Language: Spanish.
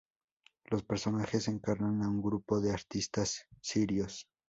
Los personajes encarnan a un grupo de artistas sirios.